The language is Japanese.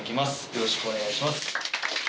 よろしくお願いします